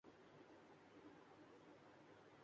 زندگی سادہ مگر باوقار تھی